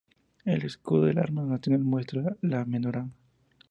El escudo de armas nacional muestra la menorá.